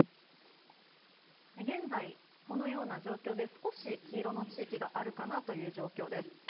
現在、このような状況で少し黄色の地域があるかなという状況です。